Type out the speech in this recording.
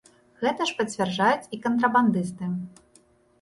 Гэта ж пацвярджаюць і кантрабандысты.